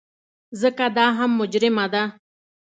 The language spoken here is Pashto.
ځکه دا هم مجرمه ده.